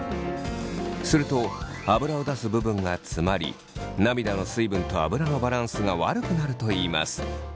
するとアブラを出す部分が詰まり涙の水分とアブラのバランスが悪くなるといいます。